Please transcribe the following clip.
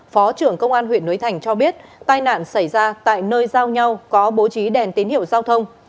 phó trưởng công an huyện núi thành cho biết tai nạn xảy ra tại nơi giao nhau có bố trí đèn tín hiệu giao thông